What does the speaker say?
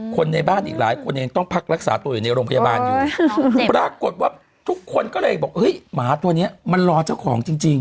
คนในบ้านอีกหลายคนยังต้องพักรักษาตัวอยู่ในโรงพยาบาลอยู่ปรากฏว่าทุกคนก็เลยบอกเฮ้ยหมาตัวเนี้ยมันรอเจ้าของจริง